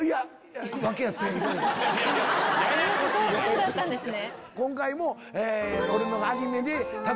そうだったんですね。